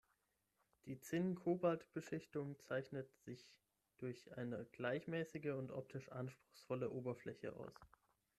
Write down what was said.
Die Zinn-Cobalt-Beschichtung zeichnet sich durch eine gleichmäßige und optisch anspruchsvolle Oberfläche aus.